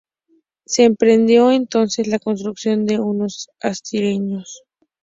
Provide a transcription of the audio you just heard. Se emprendió entonces la construcción de unos astilleros.